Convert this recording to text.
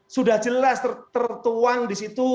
sudah jelas tertuang di situ